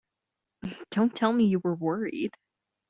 Don't tell me you were worried!